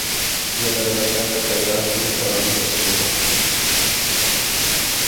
ژبه د بشر تر پیدایښت وروسته رامنځته شوې ده.